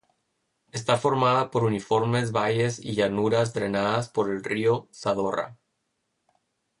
Está formada por uniformes valles y llanuras drenadas por el río Zadorra.